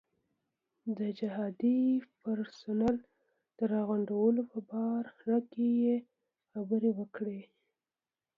د جهادي پرسونل د راغونډولو په باره کې یې خبرې وکړې.